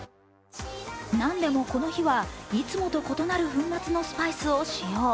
何でもこの日はいつも異なる粉末のスパイスを使用。